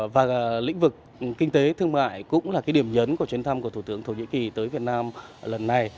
và lĩnh vực kinh tế thương mại cũng là cái điểm nhấn của chuyến thăm của thủ tướng thổ nhĩ kỳ tới việt nam lần này